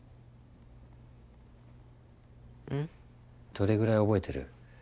どれぐらい覚えてる？